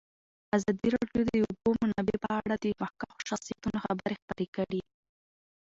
ازادي راډیو د د اوبو منابع په اړه د مخکښو شخصیتونو خبرې خپرې کړي.